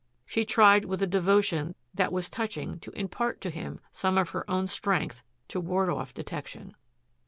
She tried with a devotion that was touching to impart to him some of her own strength to ward off detection.